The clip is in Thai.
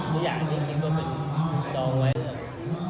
ก็อยากทิคิดว่ามันจองไว้เลย